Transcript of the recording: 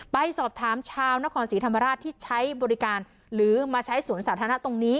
ไปสอบถามชาวนครศรีธรรมราชที่ใช้บริการหรือมาใช้สวนสาธารณะตรงนี้